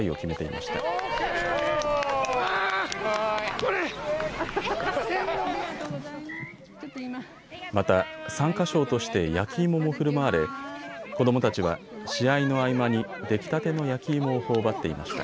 また、参加賞として焼き芋もふるまわれ子どもたちは試合の合間に出来たての焼き芋をほおばっていました。